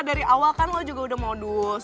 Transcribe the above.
dari awal kan lo juga udah modus